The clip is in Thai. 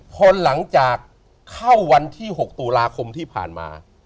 พอหลังจากเข้าวันที่๖ตุลาคมที่ผ่านมา